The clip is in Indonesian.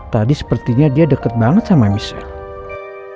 tadi sepertinya dia deket banget sama michelle